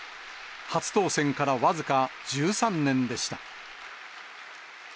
初当選から僅か１３年でした。